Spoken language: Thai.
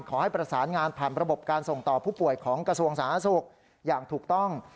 ขอให้ประสานงานผ่านระบบการส่งต่อผู้ป่วยของกระทรวงสาธารณสุขอย่างถูกต้อง